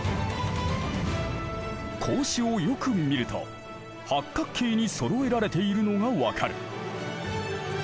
格子をよく見ると八角形にそろえられているのが分かる。